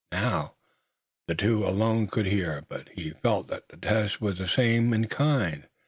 Now they two alone could hear, but he felt that the test was the same in kind.